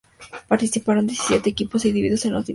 Participaron diecisiete equipos divididos en dos divisiones.